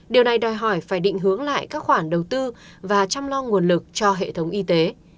điều này đòi hỏi phải định hướng lại các khoản đầu tư và chăm lo nguồn lực cho hệ thống y tế